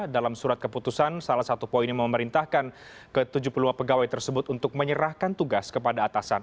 dalam surat keputusan salah satu poin yang memerintahkan ke tujuh puluh lima pegawai tersebut untuk menyerahkan tugas kepada atasan